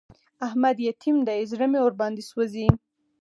احمد يتيم دی؛ زړه مې ور باندې سوځي.